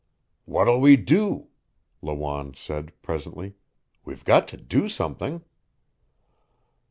"What'll we do?" Lawanne said presently. "We've got to do something."